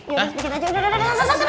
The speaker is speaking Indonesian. ya udah biar kita aja